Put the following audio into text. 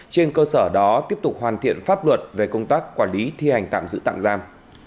trên cơ sở đó tiếp tục hoàn thiện pháp luật về công tác quản lý thi hành tạm giữ tạm giam